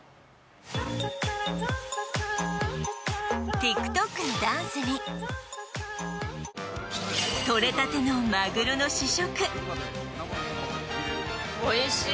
ＴｉｋＴｏｋのダンスにとれたてのマグロの試食。